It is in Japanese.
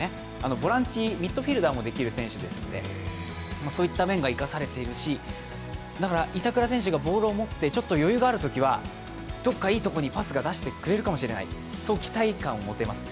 ボランチ、ミットフィルダーもできる選手なのでそういった面が生かされてますしだから板倉選手がボールを持ってちょっと余裕があるときはどこかいいところにパスを出してくれるかもしれないという期待感を持てます。